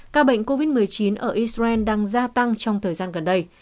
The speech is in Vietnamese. ca bệnh covid một mươi chín ở israel đang gia tăng trong thời gian gần đây